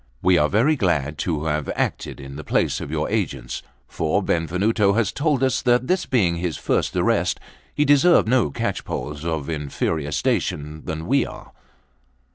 We are very glad to have acted in the place of your agents; for Benvenuto has told us that this being his first arrest, he deserved no catchpoles of inferior station than we are."